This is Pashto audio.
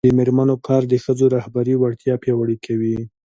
د میرمنو کار د ښځو رهبري وړتیا پیاوړې کوي.